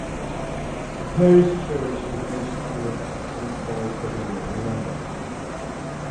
The Parish Church has very strong links with Saint Paul's Cathedral, in London.